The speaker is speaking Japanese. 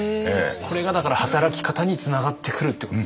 これがだから働き方につながってくるってことですね。